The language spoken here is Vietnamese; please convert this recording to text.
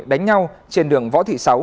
đánh nhau trên đường võ thị sáu